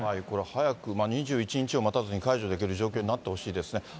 これ早く、２１日を待たずに解除できる状況になってほしいですね。